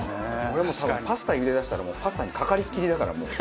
俺もう多分パスタ茹でだしたらパスタにかかりっきりだからもう。